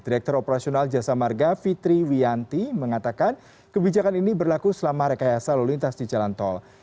direktur operasional jasa marga fitri wianti mengatakan kebijakan ini berlaku selama rekayasa lalu lintas di jalan tol